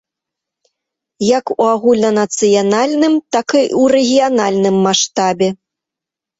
Як у агульнанацыянальным, так і ў рэгіянальным маштабе.